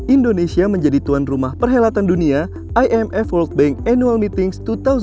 indonesia menjadi tuan rumah perhelatan dunia imf world bank annual meetings dua ribu dua puluh